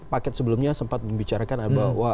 paket sebelumnya sempat membicarakan bahwa